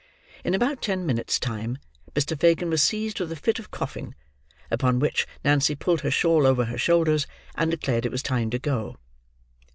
In about ten minutes' time, Mr. Fagin was seized with a fit of coughing; upon which Nancy pulled her shawl over her shoulders, and declared it was time to go.